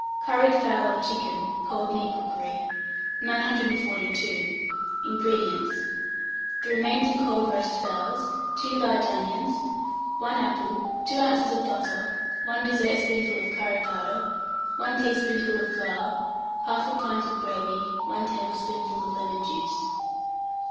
] CURRIED FOWL OR CHICKEN (Cold Meat Cookery). 942. INGREDIENTS. The remains of cold roast fowls, 2 large onions, 1 apple, 2 oz. of butter, 1 dessertspoonful of curry powder, 1 teaspoonful of flour, 1/2 pint of gravy, 1 tablespoonful of lemon juice.